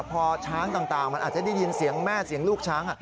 พอช้างต่างมันอาจจะได้ยินเสียงแม่เสียงลูกช้าง